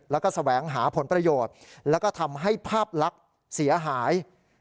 แล้วก็แสวงหาผลประโยชน์แล้วก็ทำให้ภาพลักษณ์เสียหาย